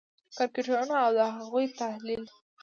کرکټرونه او د هغوی تحلیل: